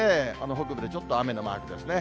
北部でちょっと雨のマークですね。